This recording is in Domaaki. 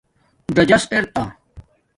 ژازاݽ ار تہ